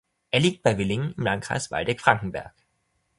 Er liegt bei Willingen im Landkreis Waldeck-Frankenberg.